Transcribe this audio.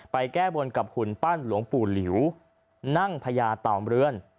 แก้บนกับหุ่นปั้นหลวงปู่หลิวนั่งพญาเต่าเรือน